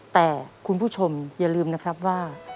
แต่คุณผู้ชมอย่าลืมนะครับว่า